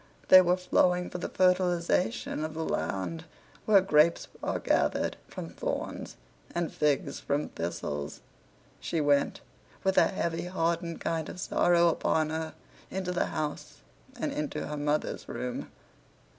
They were flowing for the fertilization of the land where grapes are gathered from thorns, and figs from thistles. She went, with a heavy, hardened kind of sorrow upon her, into the house and into her mother's room.